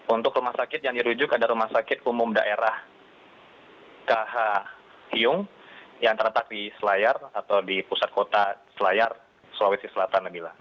untuk rumah sakit yang dirujuk ada rumah sakit umum daerah kh hiung yang terletak di selayar atau di pusat kota selayar sulawesi selatan nabila